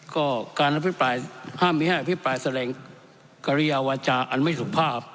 ก็การอภิปรายห้ามมีให้อภิปรายแสดงกริยาวาจาอันไม่สุภาพ